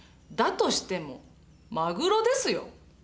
だとしてもマグロですよ。